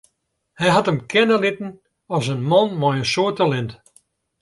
Hy hat him kenne litten as in man mei in soad talint.